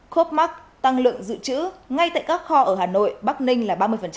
copmark tăng lượng dự trữ ngay tại các kho ở hà nội bắc ninh là ba mươi